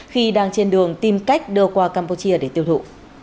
khi đang trên đường tìm cách đưa qua campuchia để tiêu thụ